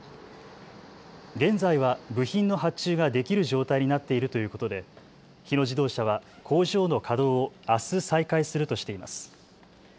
現在は部品の発注ができる状態になっているということで日野自動車は工場の稼働をあす再開するとしています。